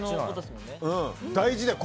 大事だよ。